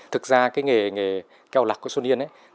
thực ra nghề kẹo lạc của xuân yên